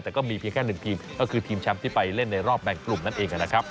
แต่ก็มีเพียงแค่๑ทีมก็คือทีมแชมป์ที่ไปเล่นในรอบแบ่งกลุ่มนั่นเองนะครับ